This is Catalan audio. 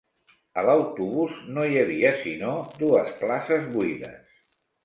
A l'autobús no hi havia sinó dues places buides.